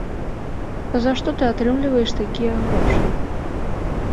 За што ты атрымліваеш такія грошы?